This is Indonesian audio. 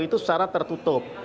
itu secara tertutup